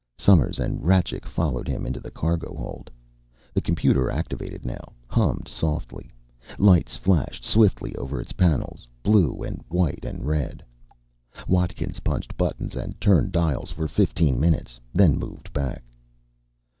Somers and Rajcik followed him to the cargo hold. The computer, activated now, hummed softly. Lights flashed swiftly over its panels, blue and white and red. Watkins punched buttons and turned dials for fifteen minutes, then moved back.